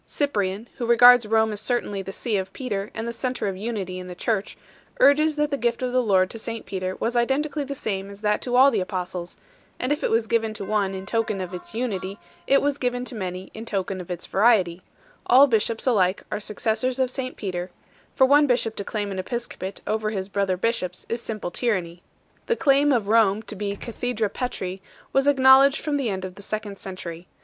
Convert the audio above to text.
Cyprian, who regards Rome as certainly the see of Peter and the centre of unity in the church 8 , urges that the gift of the Lord to St Peter was identically the same as that to all the Apostles ; if it was given to one in token of its unity, ifc was given to many in token of its variety 9 ; all bishops alike are successors of St Peter 10 ; for one bishop to claim an episcopate over his brother bishops is simple tyranny 11 . The claim of Rome to be "cathedra Petri" was ac knowledged from the end of the second century.